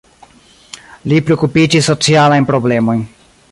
Li priokupiĝis socialajn problemojn.